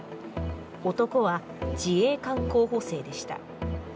男は自衛官候補生でした。